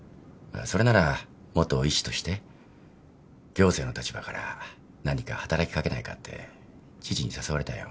それなら元医師として行政の立場から何か働きかけないかって知事に誘われたよ。